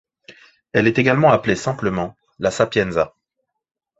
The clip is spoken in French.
Elle est également appelée simplement La Sapienza.